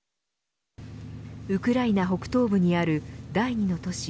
ウクライナ北東部にある第２の都市